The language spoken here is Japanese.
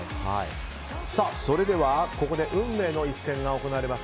それでは、ここで運命の一戦が行われます